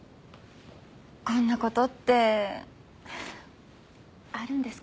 こんな事ってあるんですかね？